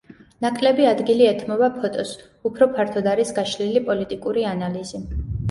ნაკლები ადგილი ეთმობა ფოტოს, უფრო ფართოდ არის გაშლილი პოლიტიკური ანალიზი.